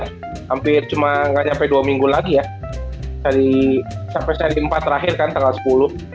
hampir cuma nggak sampai dua minggu lagi ya sampai seri empat terakhir kan tanggal sepuluh